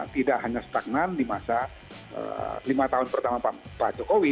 tidak hanya stagnan di masa lima tahun pertama pak jokowi